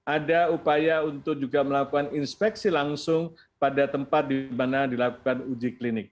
ada upaya untuk juga melakukan inspeksi langsung pada tempat di mana dilakukan uji klinik